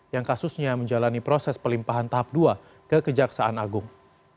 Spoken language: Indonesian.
yang kasusnya menjalani proses pelimpahan tahap dua ke kejaksaan agung